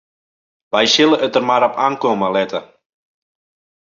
Wy sille it der mar op oankomme litte.